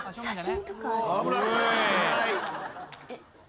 写真とか。